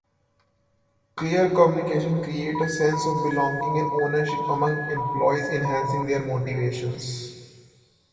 Clear communication creates a sense of belonging and ownership among employees, enhancing their motivation.